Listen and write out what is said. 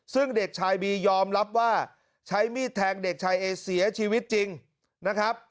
ซึ่งเด็กชายบียอมรับว่าใช้มีดแทงเด็กชายเอเสียชีวิตจริงนะครับ